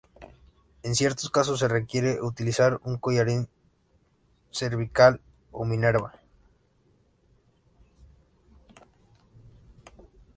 En ciertos casos se requiere utilizar un collarín cervical o minerva.